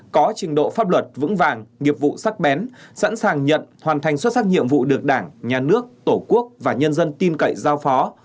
có trình độ pháp luật vững vàng nghiệp vụ sắc bén sẵn sàng nhận hoàn thành xuất sắc nhiệm vụ được đảng nhà nước tổ quốc và nhân dân tin cậy giao phó